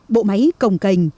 bộ máy cồng cành